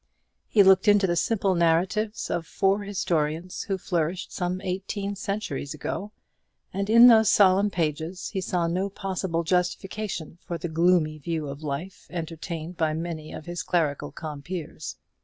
He looked into the simple narratives of four historians who flourished some eighteen centuries ago; and in those solemn pages he saw no possible justification for the gloomy view of life entertained by many of his clerical compeers.